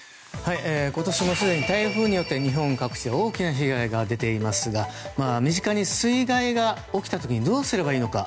今年もすでに台風によって日本各地は大きな被害が出ていますが身近で水害が起きた時にどうすればいいのか。